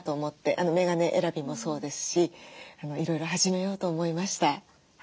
メガネ選びもそうですしいろいろ始めようと思いました。